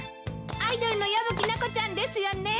アイドルの矢吹奈子ちゃんですよね？